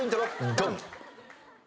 ドン！